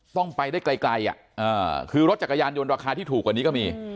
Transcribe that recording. ต้องไปได้ไกลคือรถจักรยานยนต์ราคาที่ถูกกว่านี้ก็มี